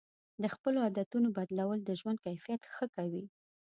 د خپلو عادتونو بدلول د ژوند کیفیت ښه کوي.